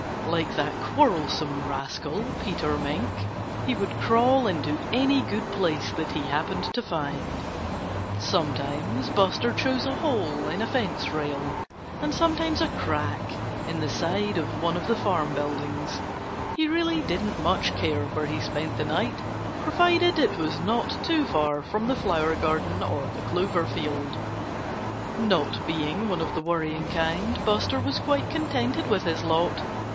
Like that quarrelsome rascal, Peter Mink, he would crawl into any good place that he happened to find. Sometimes Buster chose a hole in a fence rail, and sometimes a crack in the side of one of the farm buildings. He really didn't much care where he spent the night, provided it was not too far from the flower garden or the clover field. Not being one of the worrying kind, Buster was quite contented with his lot.